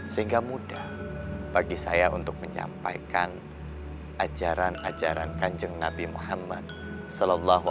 sehingga mudah bagi saya untuk menyampaikan ajaran ajaran kanjeng nabi muhammad saw